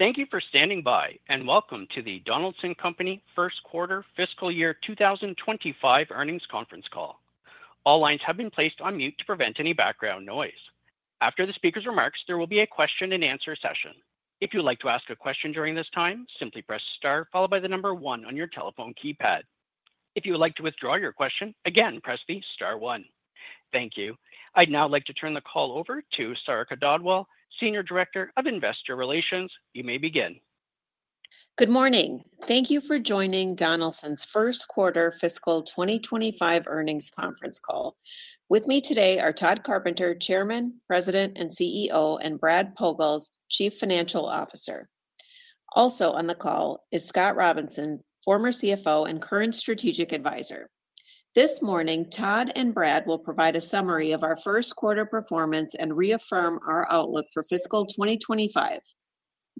Thank you for standing by, and welcome to the Donaldson Company First Quarter Fiscal Year 2025 Earnings Conference Call. All lines have been placed on mute to prevent any background noise. After the speaker's remarks, there will be a question-and-answer session. If you'd like to ask a question during this time, simply press star followed by the number one on your telephone keypad. If you would like to withdraw your question, again, press the star one. Thank you. I'd now like to turn the call over to Sarika Dhadwal, Senior Director of Investor Relations. You may begin. Good morning. Thank you for joining Donaldson's First Quarter Fiscal 2025 Earnings Conference Call. With me today are Tod Carpenter, Chairman, President, and CEO, and Brad Pogalz, Chief Financial Officer. Also on the call is Scott Robinson, former CFO and current Strategic Advisor. This morning, Tod and Brad will provide a summary of our first quarter performance and reaffirm our outlook for fiscal 2025.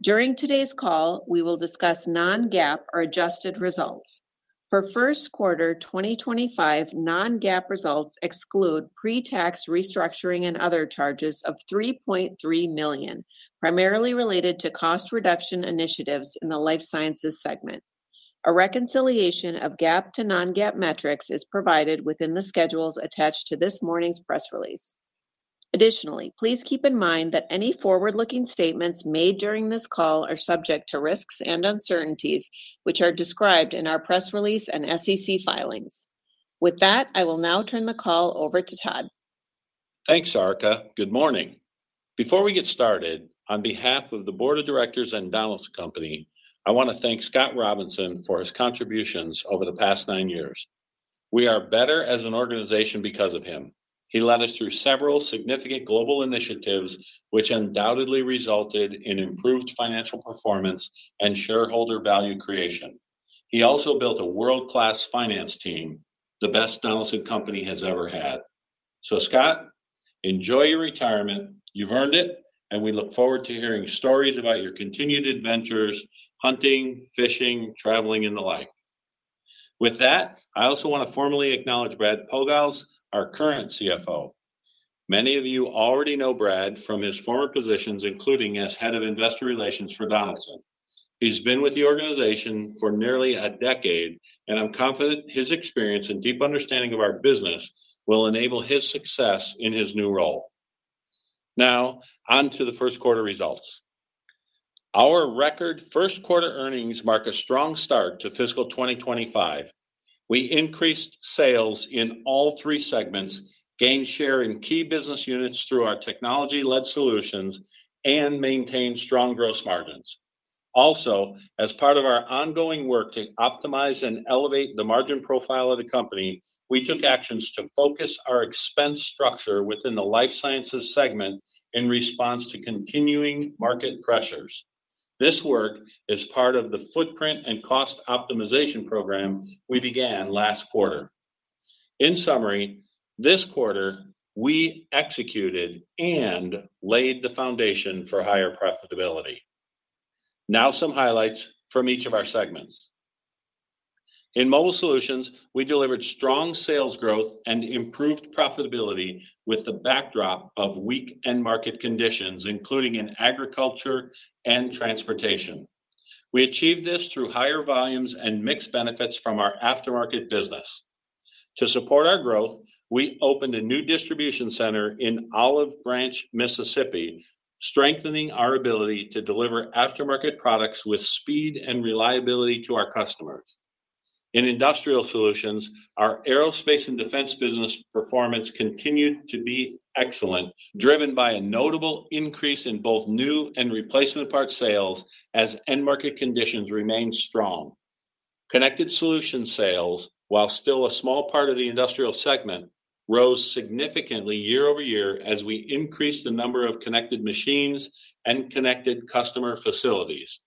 During today's call, we will discuss non-GAAP or adjusted results. For first quarter 2025, non-GAAP results exclude pre-tax restructuring and other charges of $3.3 million, primarily related to cost reduction initiatives in the Life Sciences segment. A reconciliation of GAAP to non-GAAP metrics is provided within the schedules attached to this morning's press release. Additionally, please keep in mind that any forward-looking statements made during this call are subject to risks and uncertainties, which are described in our press release and SEC filings. With that, I will now turn the call over to Tod. Thanks, Sarika. Good morning. Before we get started, on behalf of the Board of Directors and Donaldson Company, I want to thank Scott Robinson for his contributions over the past nine years. We are better as an organization because of him. He led us through several significant global initiatives, which undoubtedly resulted in improved financial performance and shareholder value creation. He also built a world-class finance team, the best Donaldson Company has ever had. So, Scott, enjoy your retirement. You've earned it, and we look forward to hearing stories about your continued adventures hunting, fishing, traveling, and the like. With that, I also want to formally acknowledge Brad Pogalz, our current CFO. Many of you already know Brad from his former positions, including as Head of Investor Relations for Donaldson. He's been with the organization for nearly a decade, and I'm confident his experience and deep understanding of our business will enable his success in his new role. Now, on to the first quarter results. Our record first quarter earnings mark a strong start to fiscal 2025. We increased sales in all three segments, gained share in key business units through our technology-led solutions, and maintained strong gross margins. Also, as part of our ongoing work to optimize and elevate the margin profile of the company, we took actions to focus our expense structure within the Life Sciences segment in response to continuing market pressures. This work is part of the Footprint and Cost Optimization Program we began last quarter. In summary, this quarter, we executed and laid the foundation for higher profitability. Now, some highlights from each of our segments. In Mobile Solutions, we delivered strong sales growth and improved profitability with the backdrop of weak end market conditions, including in agriculture and transportation. We achieved this through higher volumes and mix benefits from our aftermarket business. To support our growth, we opened a new distribution center in Olive Branch, Mississippi, strengthening our ability to deliver aftermarket products with speed and reliability to our customers. In Industrial Solutions, our Aerospace and Defense business performance continued to be excellent, driven by a notable increase in both new and replacement parts sales as end market conditions remained strong. Connected solution sales, while still a small part of the industrial segment, rose significantly year over year as we increased the number of connected machines and connected customer facilities.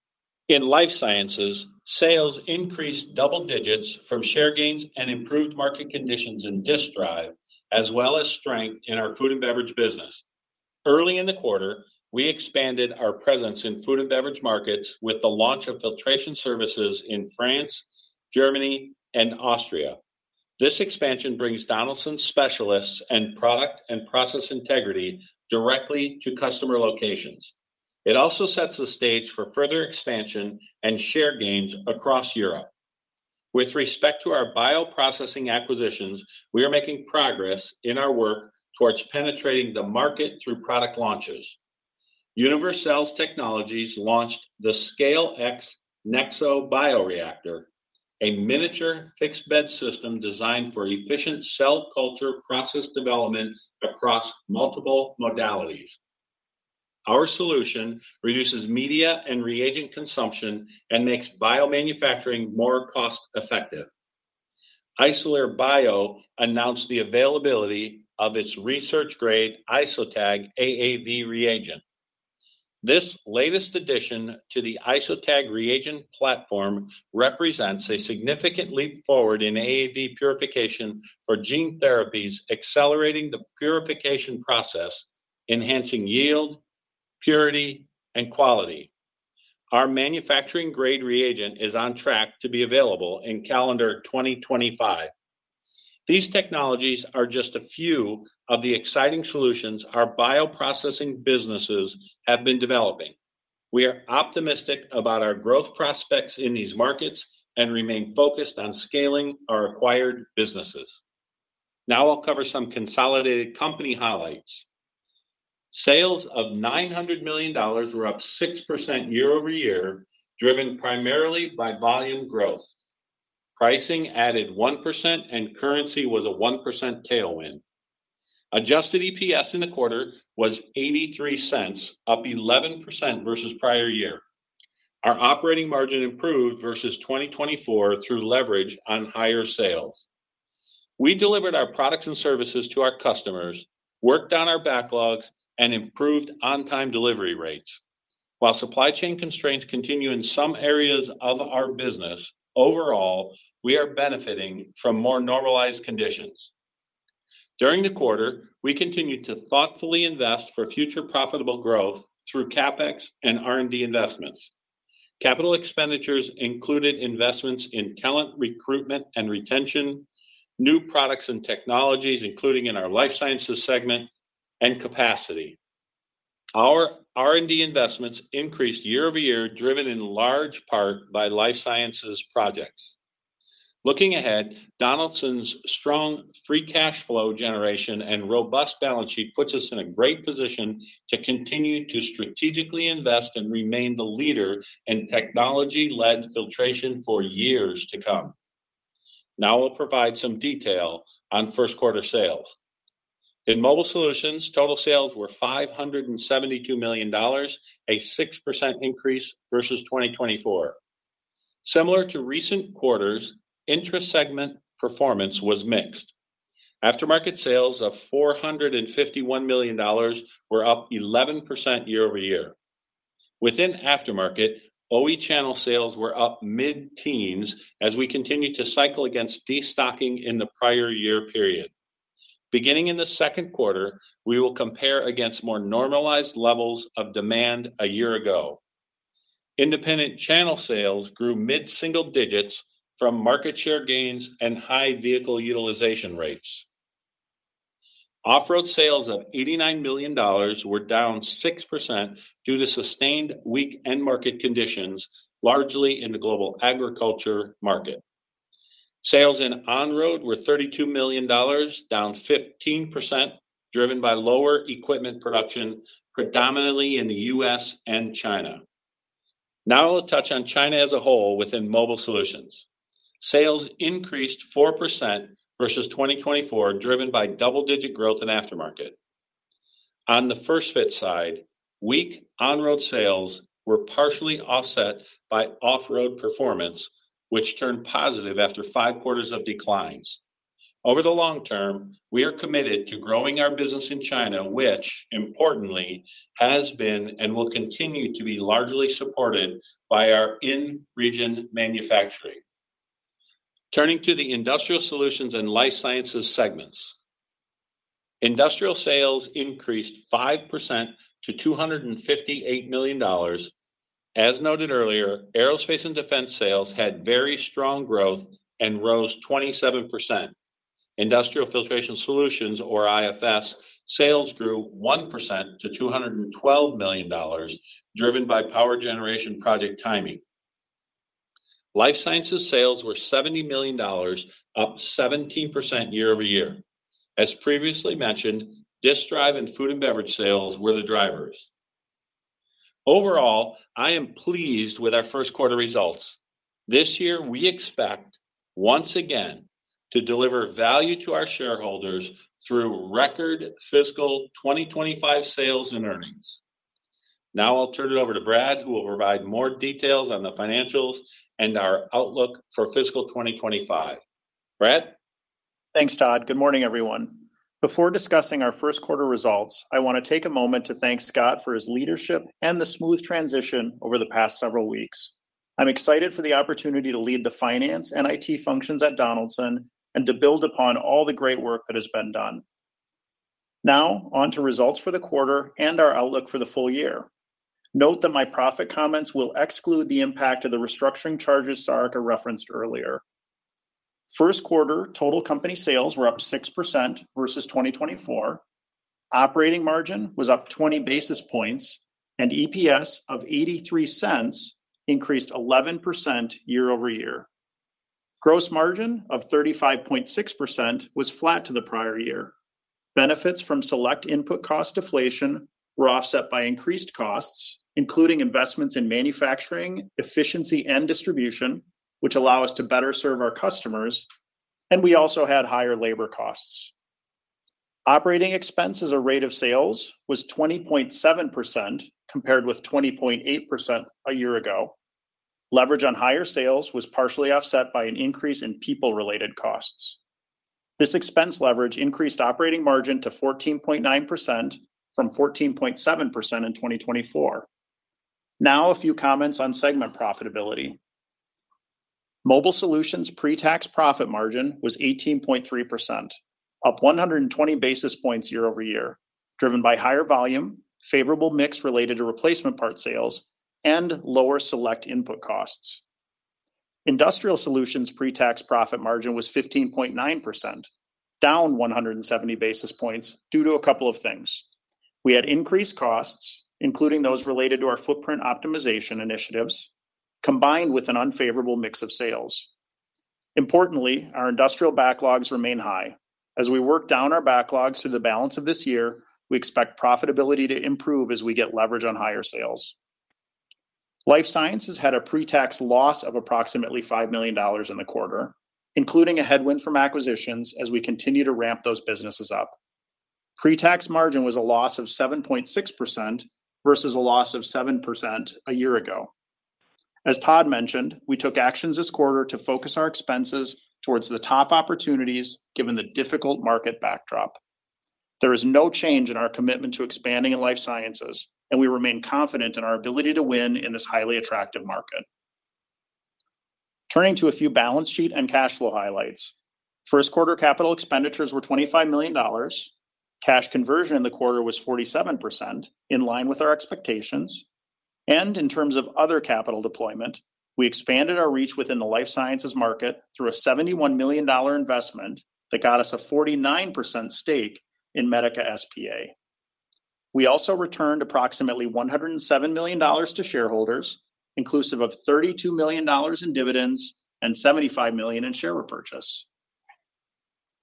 In Life Sciences, sales increased double digits from share gains and improved market conditions in Disk Drive, as well as strength in our Food and Beverage business. Early in the quarter, we expanded our presence in Food and Beverage markets with the launch of filtration services in France, Germany, and Austria. This expansion brings Donaldson specialists and product and process integrity directly to customer locations. It also sets the stage for further expansion and share gains across Europe. With respect to our bioprocessing acquisitions, we are making progress in our work towards penetrating the market through product launches. Univercells Technologies launched the Scale-X nexo bioreactor, a miniature fixed-bed system designed for efficient cell culture process development across multiple modalities. Our solution reduces media and reagent consumption and makes biomanufacturing more cost-effective. Isolere Bio announced the availability of its research-grade IsoTag AAV reagent. This latest addition to the IsoTag reagent platform represents a significant leap forward in AAV purification for gene therapies, accelerating the purification process, enhancing yield, purity, and quality. Our manufacturing-grade reagent is on track to be available in calendar 2025. These technologies are just a few of the exciting solutions our bioprocessing businesses have been developing. We are optimistic about our growth prospects in these markets and remain focused on scaling our acquired businesses. Now, I'll cover some consolidated company highlights. Sales of $900 million were up 6% year over year, driven primarily by volume growth. Pricing added 1%, and currency was a 1% tailwind. Adjusted EPS in the quarter was $0.83, up 11% versus prior year. Our operating margin improved versus 2024 through leverage on higher sales. We delivered our products and services to our customers, worked on our backlogs, and improved on-time delivery rates. While supply chain constraints continue in some areas of our business, overall, we are benefiting from more normalized conditions. During the quarter, we continued to thoughtfully invest for future profitable growth through CapEx and R&D investments. Capital expenditures included investments in talent recruitment and retention, new products and technologies, including in our Life Sciences segment, and capacity. Our R&D investments increased year over year, driven in large part by Life Sciences projects. Looking ahead, Donaldson's strong free cash flow generation and robust balance sheet puts us in a great position to continue to strategically invest and remain the leader in technology-led filtration for years to come. Now, I'll provide some detail on first quarter sales. In Mobile Solutions, total sales were $572 million, a 6% increase versus 2023. Similar to recent quarters, industrial segment performance was mixed. Aftermarket sales of $451 million were up 11% year-over-year. Within aftermarket, OE channel sales were up mid-teens as we continued to cycle against destocking in the prior year period. Beginning in the second quarter, we will compare against more normalized levels of demand a year ago. Independent channel sales grew mid-single digits from market share gains and high vehicle utilization rates. Off-road sales of $89 million were down 6% due to sustained weak end market conditions, largely in the global agriculture market. Sales in on-road were $32 million, down 15%, driven by lower equipment production, predominantly in the U.S. and China. Now, I'll touch on China as a whole within Mobile Solutions. Sales increased 4% versus 2024, driven by double-digit growth in aftermarket. On the first fit side, weak on-road sales were partially offset by off-road performance, which turned positive after five quarters of declines. Over the long term, we are committed to growing our business in China, which, importantly, has been and will continue to be largely supported by our in-region manufacturing. Turning to the Industrial Solutions and Life Sciences segments, Industrial sales increased 5% to $258 million. As noted earlier, Aerospace and Defense sales had very strong growth and rose 27%. Industrial Filtration Solutions, or IFS, sales grew 1% to $212 million, driven by power generation project timing. Life Sciences sales were $70 million, up 17% year-over-year. As previously mentioned, Disk Drive and Food and Beverage sales were the drivers. Overall, I am pleased with our first quarter results. This year, we expect, once again, to deliver value to our shareholders through record fiscal 2025 sales and earnings. Now, I'll turn it over to Brad, who will provide more details on the financials and our outlook for fiscal 2025. Brad. Thanks, Tod. Good morning, everyone. Before discussing our first quarter results, I want to take a moment to thank Scott for his leadership and the smooth transition over the past several weeks. I'm excited for the opportunity to lead the finance and IT functions at Donaldson and to build upon all the great work that has been done. Now, on to results for the quarter and our outlook for the full year. Note that my profit comments will exclude the impact of the restructuring charges Sarika referenced earlier. First quarter total company sales were up 6% versus 2024. Operating margin was up 20 basis points, and EPS of $0.83 increased 11% year-over-year. Gross margin of 35.6% was flat to the prior year. Benefits from select input cost deflation were offset by increased costs, including investments in manufacturing, efficiency, and distribution, which allow us to better serve our customers, and we also had higher labor costs. Operating expenses as rate of sales was 20.7% compared with 20.8% a year ago. Leverage on higher sales was partially offset by an increase in people-related costs. This expense leverage increased operating margin to 14.9% from 14.7% in 2024. Now, a few comments on segment profitability. Mobile Solutions' pre-tax profit margin was 18.3%, up 120 basis points year-over-year, driven by higher volume, favorable mix related to replacement part sales, and lower select input costs. Industrial solutions' pre-tax profit margin was 15.9%, down 170 basis points due to a couple of things. We had increased costs, including those related to our footprint optimization initiatives, combined with an unfavorable mix of sales. Importantly, our industrial backlogs remain high. As we work down our backlogs through the balance of this year, we expect profitability to improve as we get leverage on higher sales. Life sciences had a pre-tax loss of approximately $5 million in the quarter, including a headwind from acquisitions as we continue to ramp those businesses up. Pre-tax margin was a loss of 7.6% versus a loss of 7% a year ago. As Tod mentioned, we took actions this quarter to focus our expenses towards the top opportunities given the difficult market backdrop. There is no change in our commitment to expanding in Life Sciences, and we remain confident in our ability to win in this highly attractive market. Turning to a few balance sheet and cash flow highlights. First quarter capital expenditures were $25 million. Cash conversion in the quarter was 47%, in line with our expectations. In terms of other capital deployment, we expanded our reach within the Life Sciences market through a $71 million investment that got us a 49% stake in Medica S.p.A. We also returned approximately $107 million to shareholders, inclusive of $32 million in dividends and $75 million in share repurchase.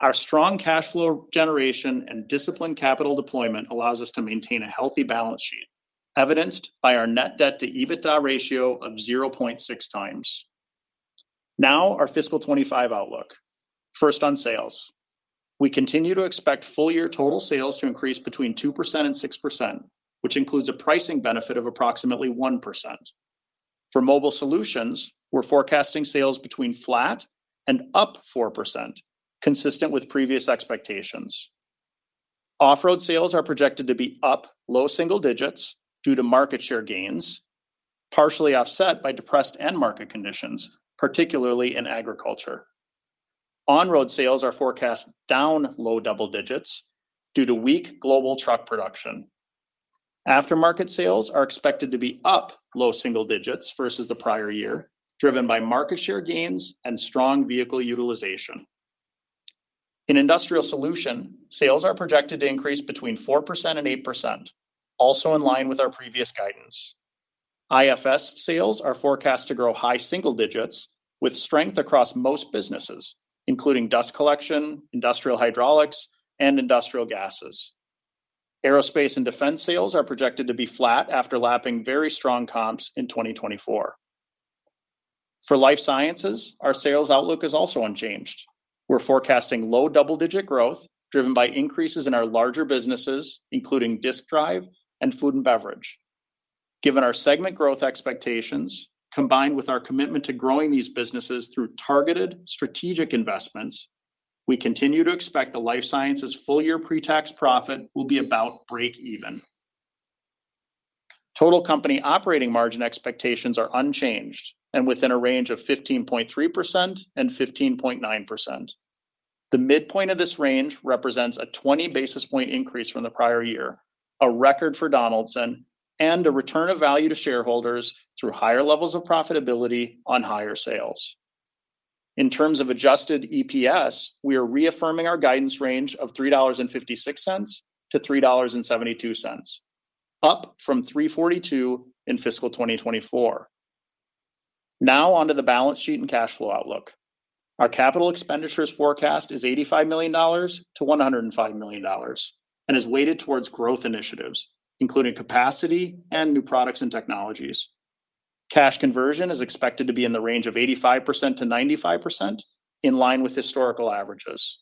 Our strong cash flow generation and disciplined capital deployment allows us to maintain a healthy balance sheet, evidenced by our net debt to EBITDA ratio of 0.6x. Now, our fiscal 25 outlook. First on sales. We continue to expect full year total sales to increase between 2% and 6%, which includes a pricing benefit of approximately 1%. For Mobile Solutions, we're forecasting sales between flat and up 4%, consistent with previous expectations. Off-road sales are projected to be up low single digits due to market share gains, partially offset by depressed end market conditions, particularly in agriculture. On-road sales are forecast down low double digits due to weak global truck production. Aftermarket sales are expected to be up low single digits versus the prior year, driven by market share gains and strong vehicle utilization. In Industrial Solutions, sales are projected to increase between 4% and 8%, also in line with our previous guidance. IFS sales are forecast to grow high single digits with strength across most businesses, including Dust Collection, Industrial Hydraulics, and Industrial Gases. Aerospace and Defense sales are projected to be flat after lapping very strong comps in 2024. For Life Sciences, our sales outlook is also unchanged. We're forecasting low double-digit growth driven by increases in our larger businesses, including Disk Drive and Food and Beverage. Given our segment growth expectations, combined with our commitment to growing these businesses through targeted strategic investments, we continue to expect the Life Sciences full year pre-tax profit will be about break-even. Total company operating margin expectations are unchanged and within a range of 15.3%-15.9%. The midpoint of this range represents a 20 basis points increase from the prior year, a record for Donaldson, and a return of value to shareholders through higher levels of profitability on higher sales. In terms of adjusted EPS, we are reaffirming our guidance range of $3.56-$3.72, up from $3.42 in fiscal 2024. Now, on to the balance sheet and cash flow outlook. Our capital expenditures forecast is $85 million-$105 million and is weighted towards growth initiatives, including capacity and new products and technologies. Cash conversion is expected to be in the range of 85%-95%, in line with historical averages.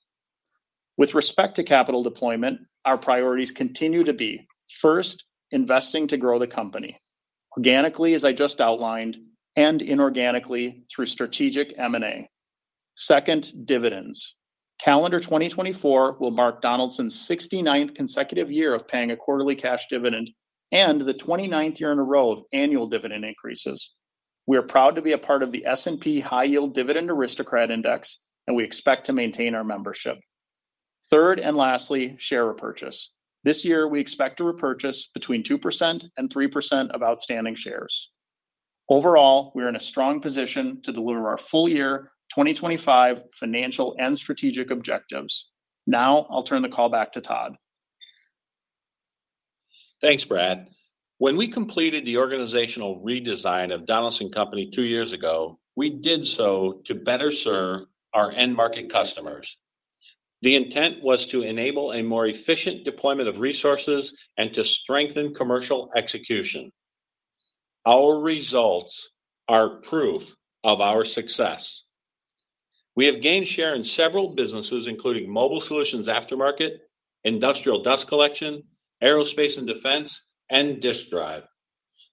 With respect to capital deployment, our priorities continue to be first, investing to grow the company organically, as I just outlined, and inorganically through strategic M&A. Second, dividends. Calendar 2024 will mark Donaldson's 69th consecutive year of paying a quarterly cash dividend and the 29th year in a row of annual dividend increases. We are proud to be a part of the S&P High Yield Dividend Aristocrats Index, and we expect to maintain our membership. Third and lastly, share repurchase. This year, we expect to repurchase between 2% and 3% of outstanding shares. Overall, we are in a strong position to deliver our full year 2025 financial and strategic objectives. Now, I'll turn the call back to Tod. Thanks, Brad. When we completed the organizational redesign of Donaldson Company two years ago, we did so to better serve our end market customers. The intent was to enable a more efficient deployment of resources and to strengthen commercial execution. Our results are proof of our success. We have gained share in several businesses, including Mobile Solutions aftermarket, industrial dust collection, Aerospace and Defense, and Disk Drive.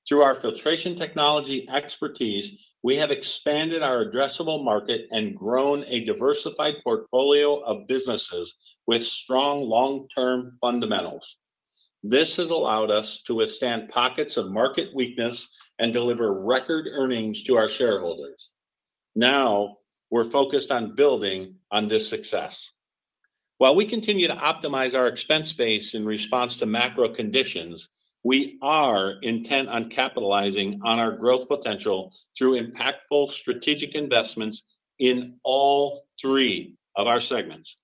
Through our filtration technology expertise, we have expanded our addressable market and grown a diversified portfolio of businesses with strong long-term fundamentals. This has allowed us to withstand pockets of market weakness and deliver record earnings to our shareholders. Now, we're focused on building on this success. While we continue to optimize our expense base in response to macro conditions, we are intent on capitalizing on our growth potential through impactful strategic investments in all three of our segments.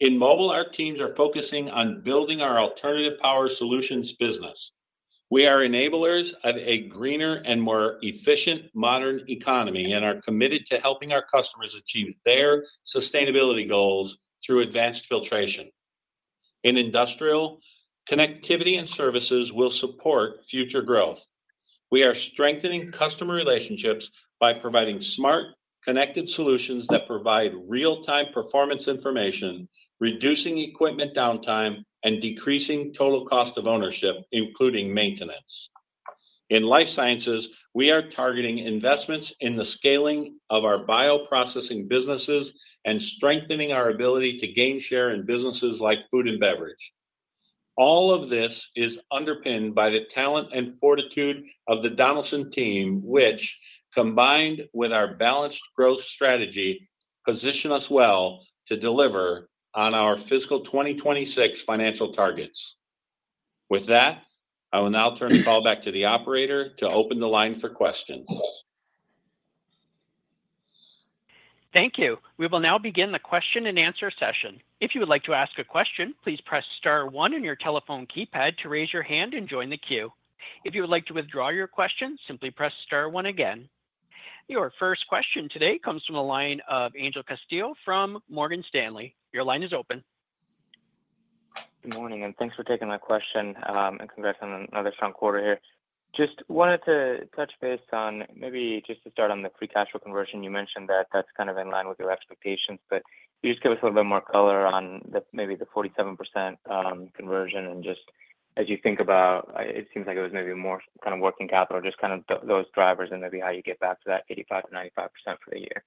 In Mobile, our teams are focusing on building our alternative power solutions business. We are enablers of a greener and more efficient modern economy and are committed to helping our customers achieve their sustainability goals through advanced filtration. In industrial, connectivity and services will support future growth. We are strengthening customer relationships by providing smart, connected solutions that provide real-time performance information, reducing equipment downtime, and decreasing total cost of ownership, including maintenance. In Life Sciences, we are targeting investments in the scaling of our bioprocessing businesses and strengthening our ability to gain share in businesses like Food and Beverage. All of this is underpinned by the talent and fortitude of the Donaldson team, which, combined with our balanced growth strategy, position us well to deliver on our fiscal 2026 financial targets. With that, I will now turn the call back to the operator to open the line for questions. Thank you. We will now begin the question and answer session. If you would like to ask a question, please press star one in your telephone keypad to raise your hand and join the queue. If you would like to withdraw your question, simply press star one again. Your first question today comes from the line of Angel Castillo from Morgan Stanley. Your line is open. Good morning, and thanks for taking my question and congrats on another strong quarter here. Just wanted to touch base on maybe just to start on the free cash flow conversion. You mentioned that that's kind of in line with your expectations, but you just give us a little bit more color on maybe the 47% conversion. And just as you think about, it seems like it was maybe more kind of working capital, just kind of those drivers and maybe how you get back to that 85%-95% for the year?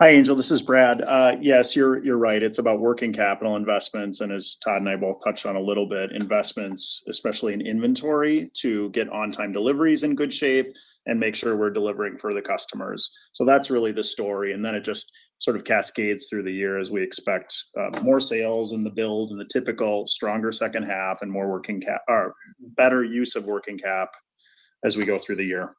Hi, Angel. This is Brad. Yes, you're right. It's about working capital investments. And as Tod and I both touched on a little bit, investments, especially in inventory, to get on-time deliveries in good shape and make sure we're delivering for the customers. So that's really the story. And then it just sort of cascades through the year as we expect more sales in the build and the typical stronger second half and more working or better use of working cap as we go through the year.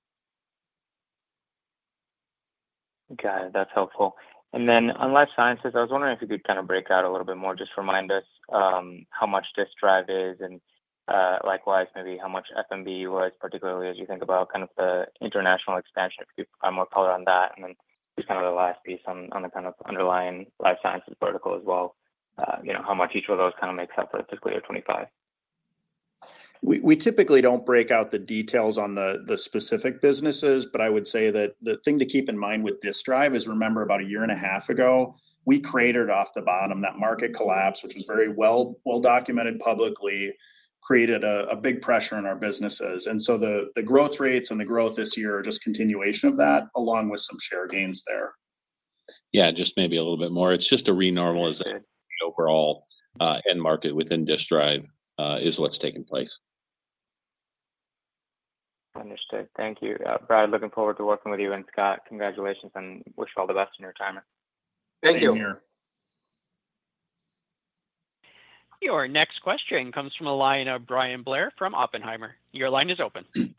Okay. That's helpful. And then on Life Sciences, I was wondering if you could kind of break out a little bit more, just remind us how much Disk Drive is and likewise maybe how much FMB was, particularly as you think about kind of the international expansion, if you could find more color on that. And then just kind of the last piece on the kind of underlying Life Sciences vertical as well, how much each of those kind of makes up for the fiscal year 2025. We typically don't break out the details on the specific businesses, but I would say that the thing to keep in mind with Disk Drive is, remember about a year and a half ago, we cratered off the bottom. That market collapse, which was very well documented publicly, created a big pressure on our businesses, and so the growth rates and the growth this year are just continuation of that, along with some share gains there. Yeah, just maybe a little bit more. It's just a renormalization of the overall end market within Disk Drive is what's taken place. Understood. Thank you. Brad, looking forward to working with you and Scott, congratulations and wish you all the best in your retirement. Thank you. Your next question comes from a line of Bryan Blair from Oppenheimer. Your line is open. Good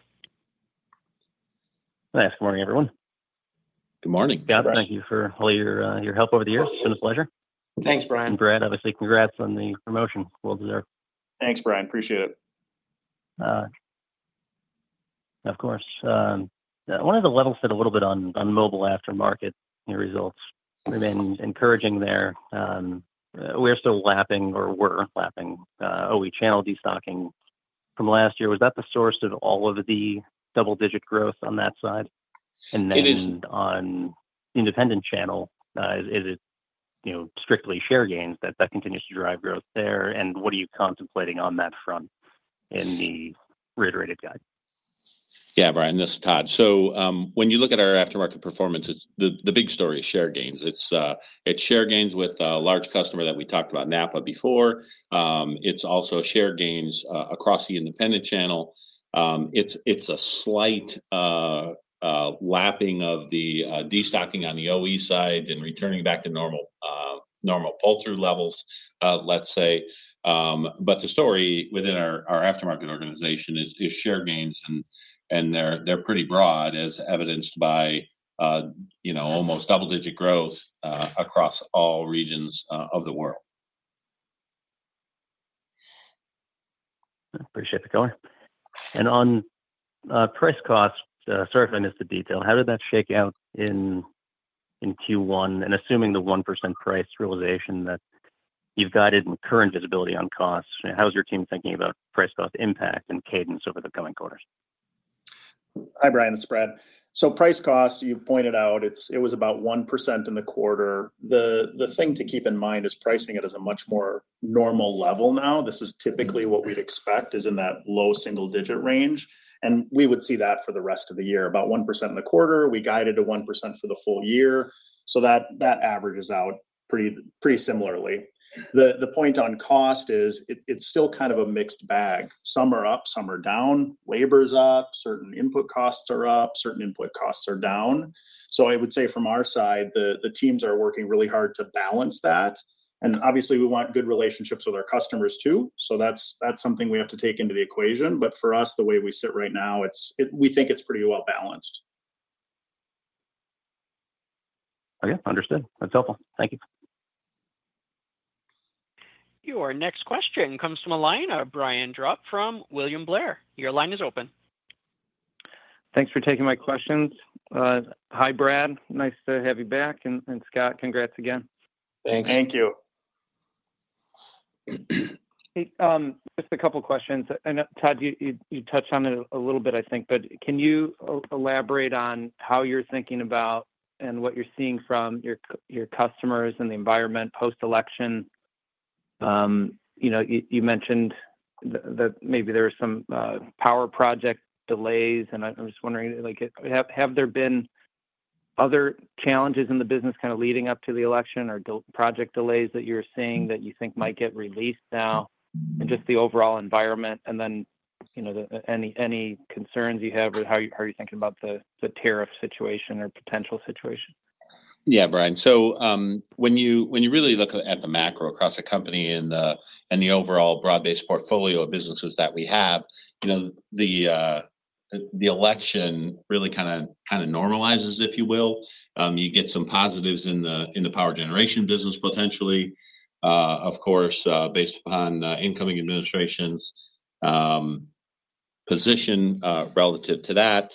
morning, everyone. Good morning. Thank you for all your help over the years. It's been a pleasure. Thanks, Bryan. Brad, obviously, congrats on the promotion. Well deserved. Thanks, Bryan. Appreciate it. Of course. One of the analysts said a little bit on Mobile aftermarket results. We've been encouraging there. We are still lapping or were lapping OE channel destocking from last year. Was that the source of all of the double-digit growth on that side? And then on independent channel, is it strictly share gains that continues to drive growth there? And what are you contemplating on that front in the reiterated guide? Yeah, Bryan, this is Tod. So when you look at our aftermarket performance, the big story is share gains. It's share gains with a large customer that we talked about, NAPA before. It's also share gains across the independent channel. It's a slight lapping of the destocking on the OE side and returning back to normal pull-through levels, let's say. But the story within our aftermarket organization is share gains, and they're pretty broad, as evidenced by almost double-digit growth across all regions of the world. Appreciate the color. And on price costs, sorry if I missed the detail, how did that shake out in Q1? And assuming the 1% price realization that you've guided and current visibility on costs, how is your team thinking about price cost impact and cadence over the coming quarters? Hi, Bryan. This is Brad. So, price costs, you pointed out, it was about 1% in the quarter. The thing to keep in mind is pricing is at a much more normal level now. This is typically what we'd expect is in that low single-digit range. And we would see that for the rest of the year, about 1% in the quarter. We guided to 1% for the full year. So that averages out pretty similarly. The point on cost is it's still kind of a mixed bag. Some are up, some are down. Labor's up. Certain input costs are up. Certain input costs are down. So I would say from our side, the teams are working really hard to balance that. And obviously, we want good relationships with our customers too. So that's something we have to take into the equation. But for us, the way we sit right now, we think it's pretty well balanced. Okay. Understood. That's helpful. Thank you. Your next question comes from a line of Brian Drab from William Blair. Your line is open. Thanks for taking my questions. Hi, Brad. Nice to have you back and Scott, congrats again. Thanks. Thank you. Just a couple of questions. And Tod, you touched on it a little bit, I think, but can you elaborate on how you're thinking about and what you're seeing from your customers and the environment post-election? You mentioned that maybe there were some power project delays. And I'm just wondering, have there been other challenges in the business kind of leading up to the election or project delays that you're seeing that you think might get released now? And just the overall environment and then any concerns you have or how are you thinking about the tariff situation or potential situation? Yeah, Brian. So when you really look at the macro across the company and the overall broad-based portfolio of businesses that we have, the election really kind of normalizes, if you will. You get some positives in the power generation business potentially, of course, based upon incoming administration's position relative to that.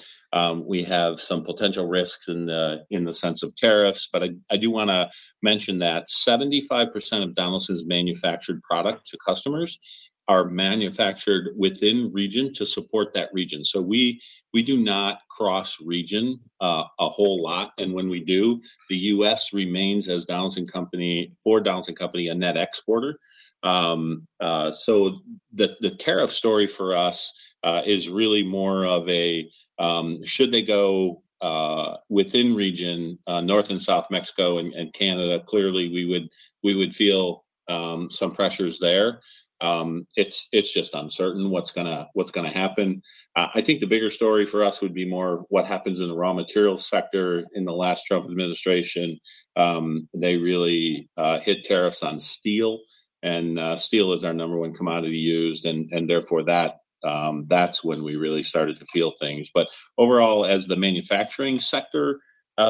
We have some potential risks in the sense of tariffs. But I do want to mention that 75% of Donaldson's manufactured product to customers are manufactured within region to support that region. So we do not cross region a whole lot. And when we do, the U.S. remains as Donaldson Company for Donaldson Company a net exporter. So the tariff story for us is really more of a should they go within region, North and South Mexico and Canada, clearly we would feel some pressures there. It's just uncertain what's going to happen. I think the bigger story for us would be more what happens in the raw materials sector in the last Trump administration. They really hit tariffs on steel, and steel is our number one commodity used, and therefore, that's when we really started to feel things, but overall, as the manufacturing sector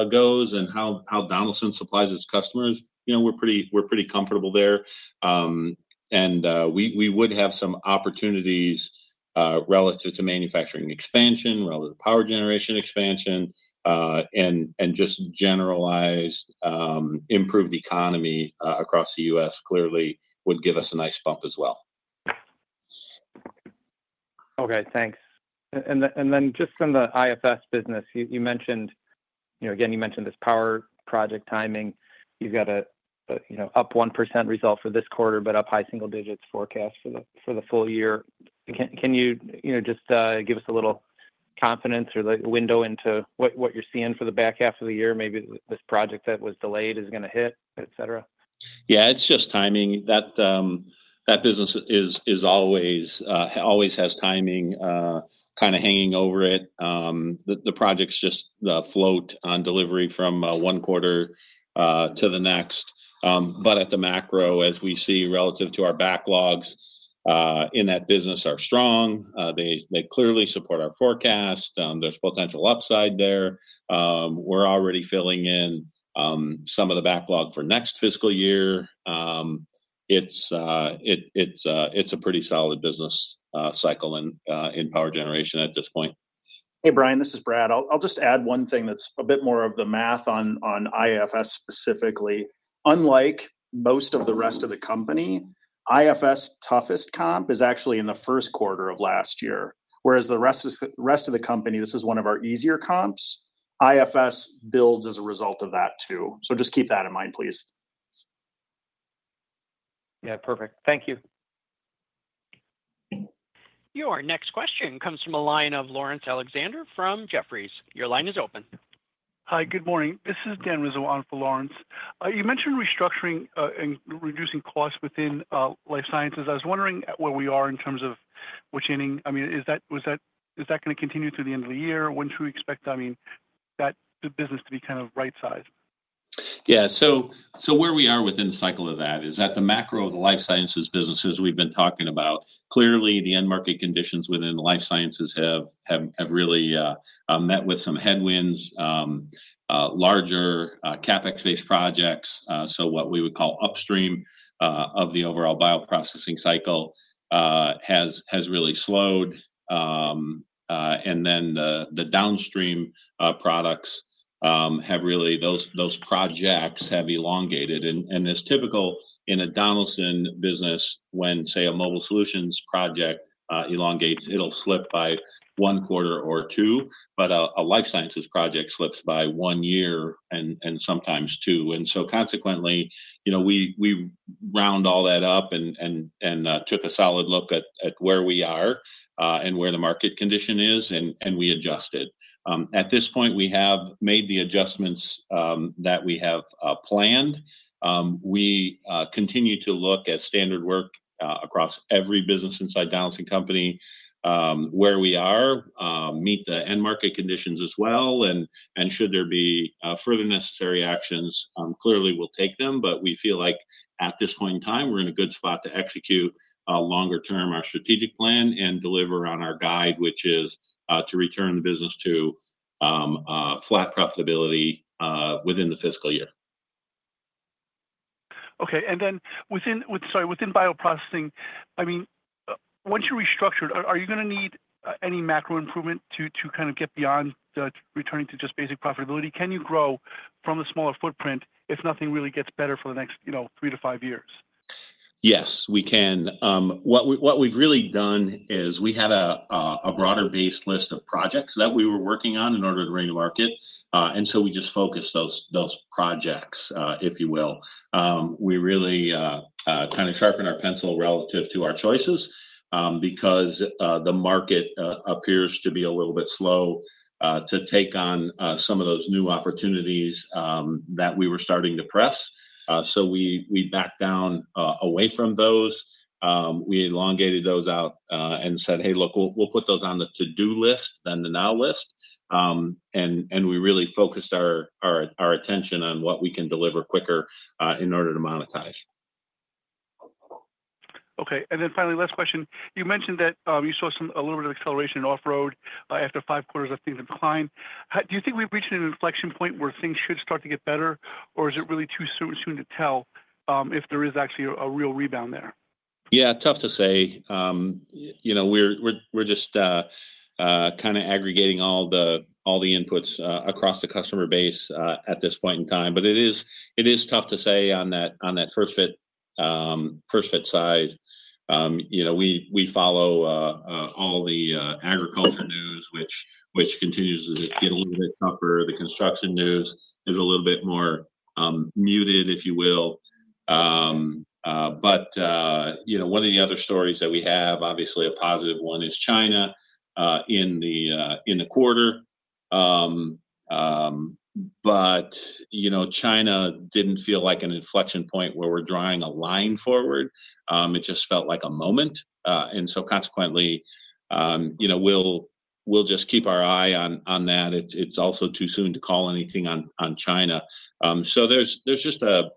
goes and how Donaldson supplies its customers, we're pretty comfortable there, and we would have some opportunities relative to manufacturing expansion, relative to power generation expansion, and just generalized improved economy across the U.S. clearly would give us a nice bump as well. Okay. Thanks. And then just from the IFS business, you mentioned again, you mentioned this power project timing. You've got an up 1% result for this quarter, but up high single digits forecast for the full year. Can you just give us a little confidence or window into what you're seeing for the back half of the year? Maybe this project that was delayed is going to hit, etc.? Yeah, it's just timing. That business always has timing kind of hanging over it. The projects just float on delivery from one quarter to the next. But at the macro, as we see relative to our backlogs in that business, are strong. They clearly support our forecast. There's potential upside there. We're already filling in some of the backlog for next fiscal year. It's a pretty solid business cycle in power generation at this point. Hey, Brian, this is Brad. I'll just add one thing that's a bit more of the math on IFS specifically. Unlike most of the rest of the company, IFS' toughest comp is actually in the first quarter of last year. Whereas the rest of the company, this is one of our easier comps, IFS builds as a result of that too. So just keep that in mind, please. Yeah. Perfect. Thank you. Your next question comes from a line of Laurence Alexander from Jefferies. Your line is open. Hi, good morning. This is Dan Rizzo on for Laurence. You mentioned restructuring and reducing costs within Life Sciences. I was wondering where we are in terms of winding down. I mean, is that going to continue through the end of the year? When should we expect, I mean, that business to be kind of right-sized? Yeah. So where we are within the cycle of that is that the macro of the Life Sciences businesses we've been talking about, clearly the end market conditions within Life Sciences have really met with some headwinds. Larger CapEx-based projects, so what we would call upstream of the overall bioprocessing cycle, has really slowed. And then the downstream products have really, those projects have elongated. And it's typical in a Donaldson business when, say, a Mobile Solutions project elongates, it'll slip by one quarter or two, but a Life Sciences project slips by one year and sometimes two. And so consequently, we round all that up and took a solid look at where we are and where the market condition is, and we adjusted. At this point, we have made the adjustments that we have planned. We continue to look at standard work across every business inside Donaldson Company where we are to meet the end market conditions as well, and should there be further necessary actions, clearly we'll take them, but we feel like at this point in time, we're in a good spot to execute longer-term our strategic plan and deliver on our guide, which is to return the business to flat profitability within the fiscal year. Okay. And then, sorry, within bioprocessing, I mean, once you restructured, are you going to need any macro improvement to kind of get beyond returning to just basic profitability? Can you grow from a smaller footprint if nothing really gets better for the next three to five years? Yes, we can. What we've really done is we had a broader base list of projects that we were working on in order to bring to market, and so we just focused those projects, if you will. We really kind of sharpened our pencil relative to our choices because the market appears to be a little bit slow to take on some of those new opportunities that we were starting to press, so we backed down away from those. We elongated those out and said, hey, look, we'll put those on the to-do list, then the now list, and we really focused our attention on what we can deliver quicker in order to monetize. Okay. And then finally, last question. You mentioned that you saw a little bit of acceleration off-road after five quarters of things decline. Do you think we've reached an inflection point where things should start to get better, or is it really too soon to tell if there is actually a real rebound there? Yeah, tough to say. We're just kind of aggregating all the inputs across the customer base at this point in time. But it is tough to say on that first-fit size. We follow all the agriculture news, which continues to get a little bit tougher. The construction news is a little bit more muted, if you will. But one of the other stories that we have, obviously a positive one, is China in the quarter. But China didn't feel like an inflection point where we're drawing a line forward. It just felt like a moment. And so consequently, we'll just keep our eye on that. It's also too soon to call anything on China. So there's just a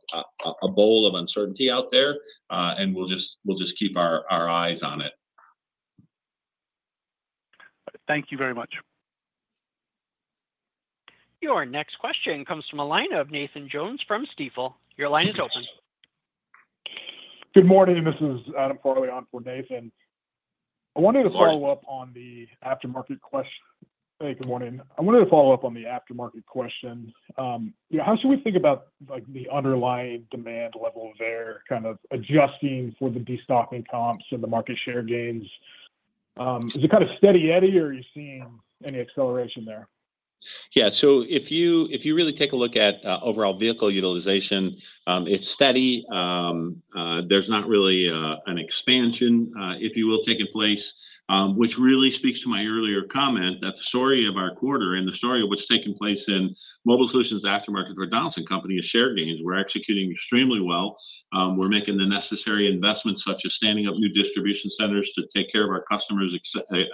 bowl of uncertainty out there, and we'll just keep our eyes on it. Thank you very much. Your next question comes from a line of Nathan Jones from Stifel. Your line is open. Good morning. This is Adam Farley on for Nathan. Hey, good morning. I wanted to follow up on the aftermarket question. How should we think about the underlying demand level there kind of adjusting for the destocking comps and the market share gains? Is it kind of steady eddy, or are you seeing any acceleration there? Yeah. So if you really take a look at overall vehicle utilization, it's steady. There's not really an expansion, if you will, taking place, which really speaks to my earlier comment that the story of our quarter and the story of what's taken place in Mobile Solutions aftermarket for Donaldson Company is share gains. We're executing extremely well. We're making the necessary investments, such as standing up new distribution centers to take care of our customers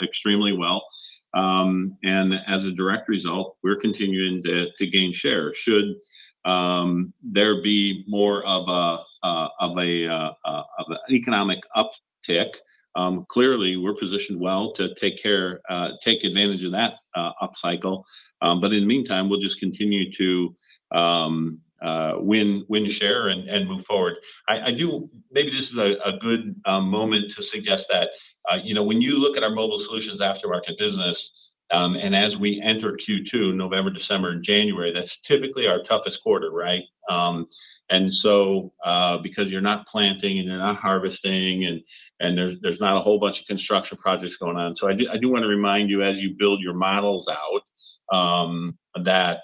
extremely well. And as a direct result, we're continuing to gain share. Should there be more of an economic uptick, clearly we're positioned well to take advantage of that upcycle. But in the meantime, we'll just continue to win share and move forward. Maybe this is a good moment to suggest that when you look at our Mobile Solutions aftermarket business, and as we enter Q2, November, December, and January, that's typically our toughest quarter, right? And so because you're not planting and you're not harvesting, and there's not a whole bunch of construction projects going on. So I do want to remind you, as you build your models out, that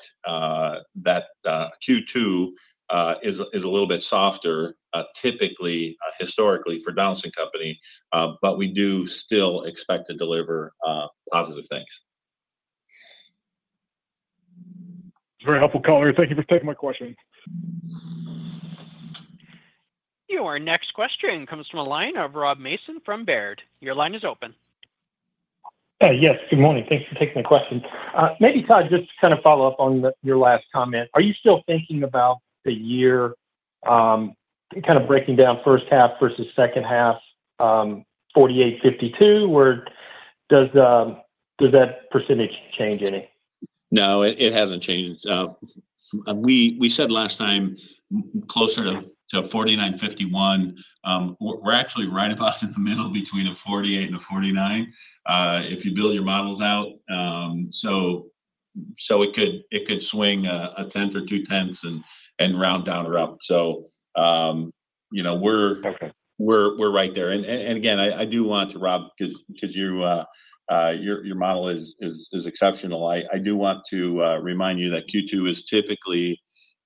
Q2 is a little bit softer, typically, historically for Donaldson Company. But we do still expect to deliver positive things. It's very helpful color. Thank you for taking my question. Your next question comes from a line of Rob Mason from Baird. Your line is open. Yes. Good morning. Thanks for taking my question. Maybe, Tod, just to kind of follow up on your last comment. Are you still thinking about the year kind of breaking down first half versus second half, 48%, 52%? Does that percentage change any? No, it hasn't changed. We said last time closer to 49%-51%. We're actually right about in the middle between a 48% and a 49% if you build your models out. So it could swing a tenth or two tenths and round down or up. So we're right there. And again, I do want to, Rob, because your model is exceptional. I do want to remind you that Q2 is typically,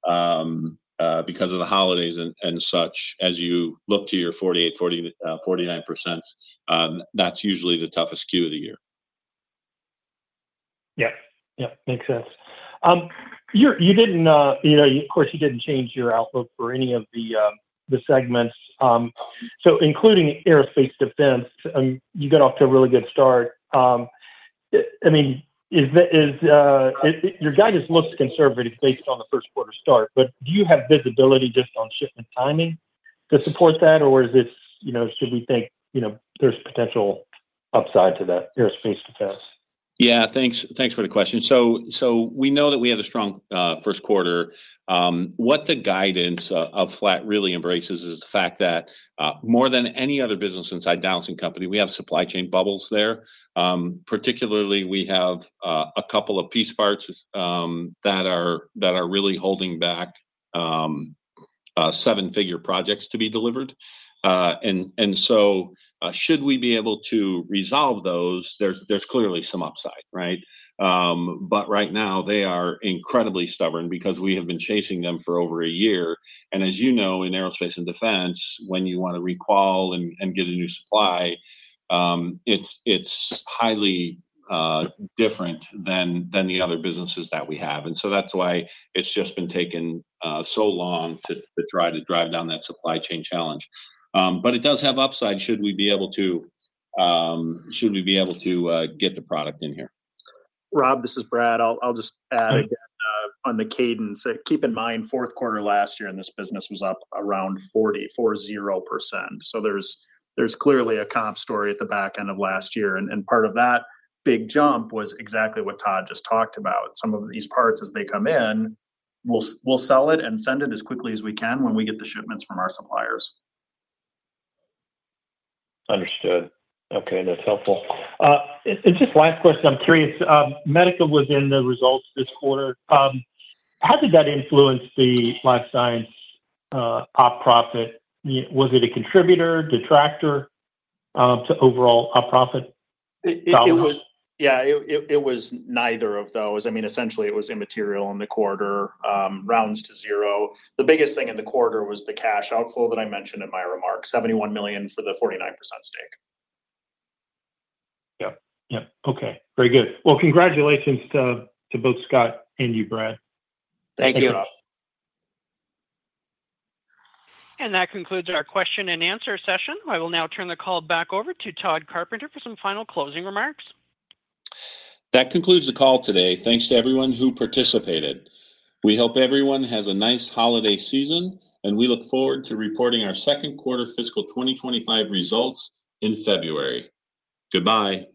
because of the holidays and such, as you look to your 48%-49%, that's usually the toughest Q of the year. Yeah. Yeah. Makes sense. You didn't, of course, you didn't change your outlook for any of the segments. So including Aerospace Defense, you got off to a really good start. I mean, your guidance looks conservative based on the first quarter start. But do you have visibility just on shipment timing to support that, or should we think there's potential upside to that Aerospace Defense? Yeah. Thanks for the question. So we know that we have a strong first quarter. What the guidance of flat really embraces is the fact that more than any other business inside Donaldson Company, we have supply chain bubbles there. Particularly, we have a couple of piece parts that are really holding back seven-figure projects to be delivered. And so should we be able to resolve those, there's clearly some upside, right? But right now, they are incredibly stubborn because we have been chasing them for over a year. And as you know, in Aerospace and Defense, when you want to requal and get a new supply, it's highly different than the other businesses that we have. And so that's why it's just been taken so long to try to drive down that supply chain challenge. But it does have upside, should we be able to get the product in here. Rob, this is Brad. I'll just add again on the cadence. Keep in mind, fourth quarter last year in this business was up around 40%. So there's clearly a comp story at the back end of last year, and part of that big jump was exactly what Tod just talked about. Some of these parts, as they come in, we'll sell it and send it as quickly as we can when we get the shipments from our suppliers. Understood. Okay. That's helpful. And just last question. I'm curious. Medica was in the results this quarter. How did that influence the Life Science op profit? Was it a contributor or detractor to overall op profit? Yeah. It was neither of those. I mean, essentially, it was immaterial in the quarter, rounds to zero. The biggest thing in the quarter was the cash outflow that I mentioned in my remarks, $71 million for the 49% stake. Yep. Yep. Okay. Very good. Well, congratulations to both Scott and you, Brad. Thank you. Thanks, Rob. That concludes our question and answer session. I will now turn the call back over to Tod Carpenter for some final closing remarks. That concludes the call today. Thanks to everyone who participated. We hope everyone has a nice holiday season, and we look forward to reporting our second quarter fiscal 2025 results in February. Goodbye.